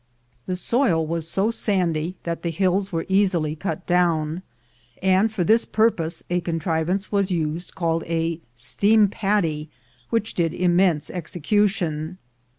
The soil was so sandy that the hills were easily cut down, and for this purpose a contrivance was used called a Steam Paddy, which did immense exe cution.